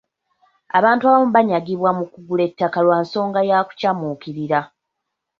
Abantu abamu banyagibwa mu kugula ettaka lwa nsonga ya kukyamuukirira.